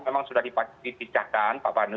memang sudah dipisahkan pak pandu